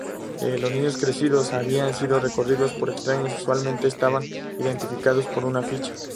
Los niños crecidos, habiendo sido recogidos por extraños, usualmente estaban identificados por una ficha.